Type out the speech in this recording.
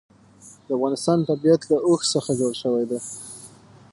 د افغانستان طبیعت له اوښ څخه جوړ شوی دی.